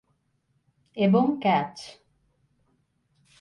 এবং "ক্যাচ"।